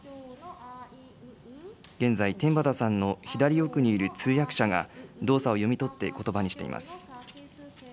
現在、天畠さんの左奥にいる通訳者が動作を読み取って、ことばにしています。